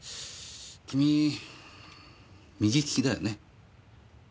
君右利きだよね？